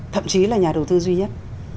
thậm chí là nhà đầu tư duy nhất